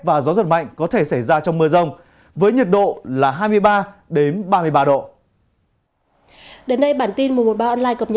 và gió giật mạnh có thể xảy ra trong mưa rông với nhiệt độ là hai mươi ba ba mươi ba độ